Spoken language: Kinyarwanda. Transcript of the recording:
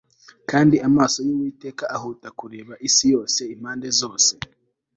Kandi amaso yUwiteka ahuta kureba isi yose impande zose